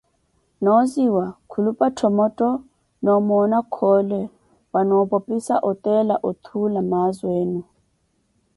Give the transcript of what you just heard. Kooziwa-Khulupa Tthomotto nomoona Khoole- wanopopisa otela othuula mwaazu enu.